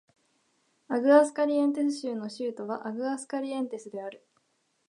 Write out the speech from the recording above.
アグアスカリエンテス州の州都はアグアスカリエンテスである